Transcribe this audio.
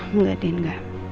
enggak din enggak